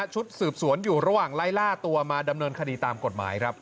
ชุดสืบสวนอยู่ระหว่างไล่ล่าตัวมาดำเนินคดีตามกฎหมายครับ